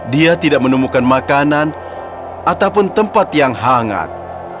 dia tidak menemukan makanan ataupun tempat yang hangat